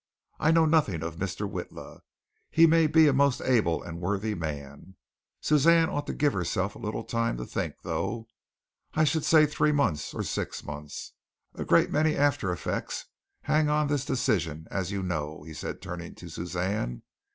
I know nothing of Mr. Witla. He may be a most able and worthy man. Suzanne ought to give herself a little time to think, though. I should say three months, or six months. A great many after effects hang on this decision, as you know," he said, turning to Suzanne.